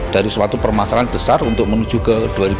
dari suatu permasalahan besar untuk menuju ke dua ribu dua puluh